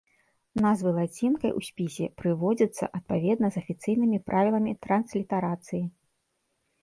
Назвы лацінкай у спісе прыводзяцца адпаведна з афіцыйнымі правіламі транслітарацыі.